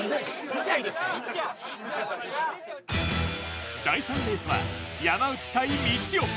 見たいですか第３レースは山内対みちお